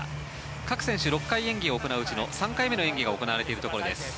各選手は６回演技を行ううち３回行われているところです。